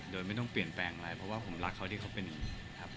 โดยไม่ต้องเปลี่ยนแปลงอะไรเพราะว่าผมรักเขาที่เขาเป็นอย่างนี้ครับ